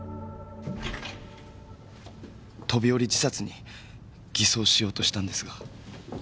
飛び降り自殺に偽装しようとしたんですが。